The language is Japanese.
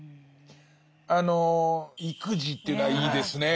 あの意気地というのはいいですね。